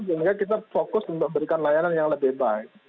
sehingga kita fokus untuk memberikan layanan yang lebih baik